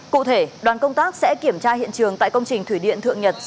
cụ thể đoàn công tác sẽ kiểm tra hiện trường tại công trình thủy điện thượng nhật